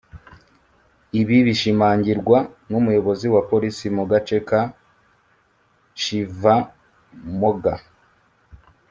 Ibi bishimangirwa n’Umuyobozi wa Polisi mu gace ka Shivamogga